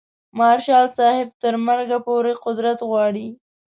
مارشال صاحب تر مرګه پورې قدرت غواړي.